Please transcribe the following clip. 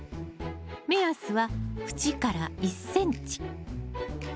目安は縁から１ｃｍ。